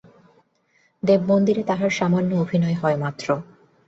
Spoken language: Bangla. দেবমন্দিরে তাহার সামান্য অভিনয় হয় মাত্র।